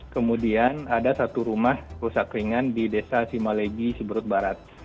kemudian ada satu rumah rusak ringan di desa simalegi seberut barat